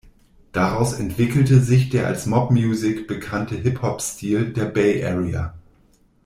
Daraus entwickelte sich der als Mobb music bekannte Hip-Hop-Stil der Bay Area.